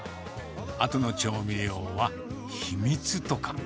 あとの調味料は秘密とか。